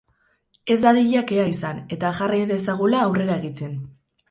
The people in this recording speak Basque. Ez dadila kea izan, eta jarrai dezagula aurrera egiten.